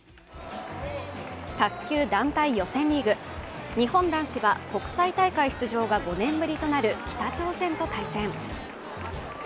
卓球団体予選リーグ日本男子は国際大会出場が５年ぶりとなる北朝鮮と対戦。